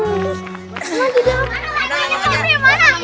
mana di dalam